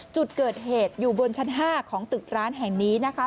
จุดเกิดเหตุอยู่บนชั้น๕ของตึกร้านแห่งนี้นะคะ